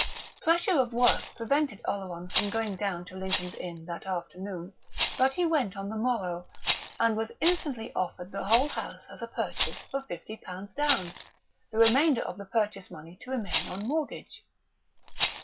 Pressure of work prevented Oleron from going down to Lincoln's Inn that afternoon, but he went on the morrow, and was instantly offered the whole house as a purchase for fifty pounds down, the remainder of the purchase money to remain on mortgage.